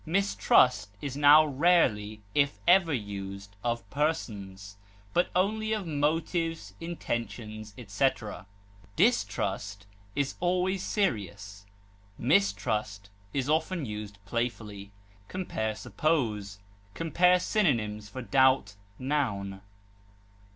Mistrust is now rarely, if ever, used of persons, but only of motives, intentions, etc. Distrust is always serious; mistrust is often used playfully. Compare SUPPOSE. Compare synonyms for DOUBT, _n.